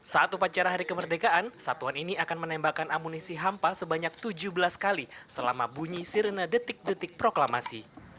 saat upacara hari kemerdekaan satuan ini akan menembakkan amunisi hampa sebanyak tujuh belas kali selama bunyi sirene detik detik proklamasi